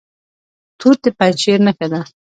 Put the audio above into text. توت د پنجشیر نښه ده.